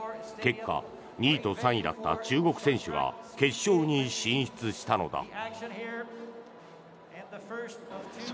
結果２位と３位だった中国選手が決勝に進出したのだ。